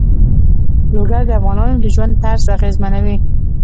لوگر د افغانانو د ژوند طرز اغېزمنوي.